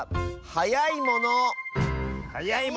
はやいものかあ。